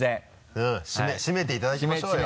うん締めていただきましょうよ。